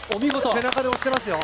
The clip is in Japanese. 背中で押してますよ。